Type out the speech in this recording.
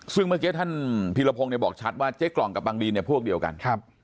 ซึ่งเมื่อกี้คุณพิรปงฤตริย์บอกชัดว่าเจ๊กล่องกับบางบีนพวกเดียวกัน